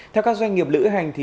theo các doanh nghiệp lữ hành